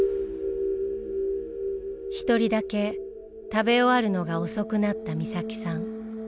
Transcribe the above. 一人だけ食べ終わるのが遅くなった美咲さん。